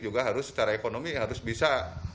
juga harus secara ekonomi harus bisa